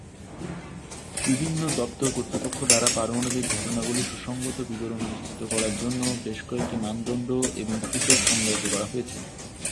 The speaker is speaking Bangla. বিভিন্ন দপ্তর কর্তৃপক্ষ দ্বারা পারমাণবিক ঘটনাগুলির সুসংগত বিবরণ নিশ্চিত করার জন্য বেশ কয়েকটি মানদণ্ড এবং সূচক সংজ্ঞায়িত করা হয়েছে।